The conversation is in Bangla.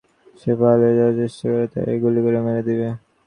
যদি সে পালানোর চেষ্টা করে, তাকে গুলি মেরে দিবে।